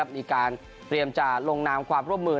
มีการเตรียมจะลงนามความร่วมมือ